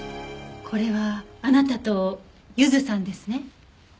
これはあなたとゆずさんですね？